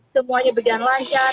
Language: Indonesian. semuanya berjalan lancar